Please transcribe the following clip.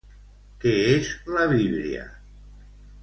Què és la víbria?